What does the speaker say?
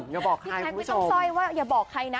อย่าบอกใครคุณผู้ชม